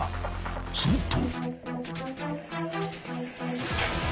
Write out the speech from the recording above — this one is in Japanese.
［すると］